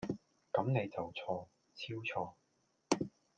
咁你就錯，超錯